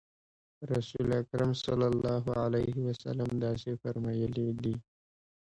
رسول اکرم صلی الله علیه وسلم داسې فرمایلي دي.